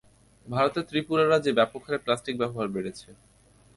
ভারতের ত্রিপুরা রাজ্যে ব্যাপক হারে প্লাস্টিক ব্যবহার বেড়েছে।